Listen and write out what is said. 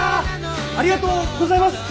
ありがとうございます！